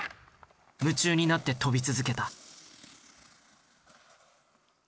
夢中になって飛び続けた。